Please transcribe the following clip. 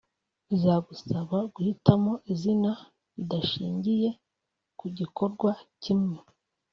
bizagusaba guhitamo izina ridashingiye ku gikorwa kimwe